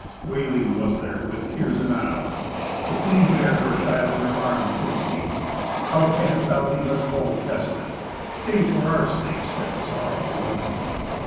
Wailing was there, with tears enow. The queen bare her child in her arms to the king. "How canst thou leave us both desolate? Stay for our sake," said the sorrowful woman.